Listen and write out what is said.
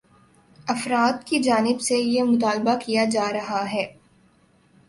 افراد کی جانب سے یہ مطالبہ کیا جا رہا ہے